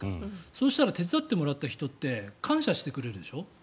そしたら手伝ってもらった人って感謝してくれるでしょ。